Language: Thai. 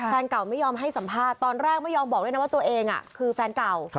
แฟนเก่าไม่ยอมให้สัมภาษณ์ตอนแรกไม่ยอมบอกด้วยนะว่าตัวเองคือแฟนเก่า